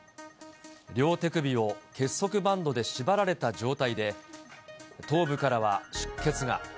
両手首を結束バンドで縛られた状態で、頭部からは出血が。